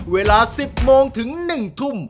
เวลา๑๐โมงถึง๑ทุ่ม